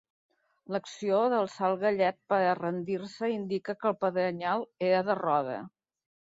L'acció d'alçar el gallet per a rendir-se indica que el pedrenyal era de roda.